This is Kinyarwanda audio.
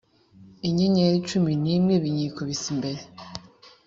inyenyeri cumi n imwe binyikubise imbere